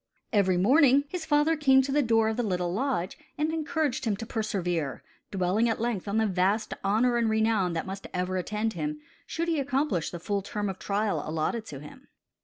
Every morning his father came to the door of the little lodge and encouraged him to persevere, dwelling at length on the vast honor and renown that must ever attend him, should he accomplish the full term of trial allotted to him.